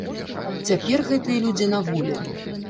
Цяпер гэтыя людзі на волі.